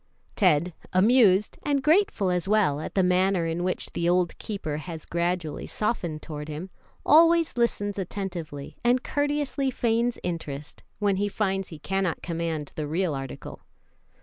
Ted, amused, and grateful as well at the manner in which the old keeper has gradually softened toward him, always listens attentively, and courteously feigns interest, when he finds he cannot command the real article.